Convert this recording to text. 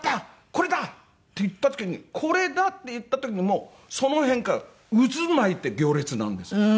これだ！」って言った時に「これだ！」って言った時にもうその辺から渦巻いて行列なんですよ。